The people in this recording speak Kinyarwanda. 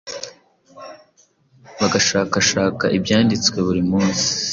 bagashakashaka Ibyanditswe buri munsi